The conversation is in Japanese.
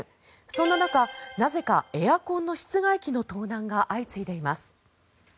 そんな中、なぜかエアコンの室外機の盗難が相次いでいます。